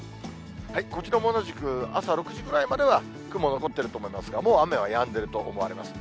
こちらも同じく、朝６時くらいまでは雲残っていると思いますが、もう雨はやんでると思われます。